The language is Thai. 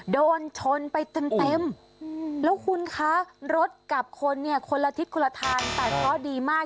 โดนชนไปเต็มแล้วคุณคะรถกับคนคนละทิศคนละทางแต่ก็ดีมาก